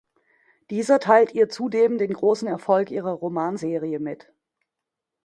Dieser teilt ihr zudem den großen Erfolg ihrer Romanserie mit.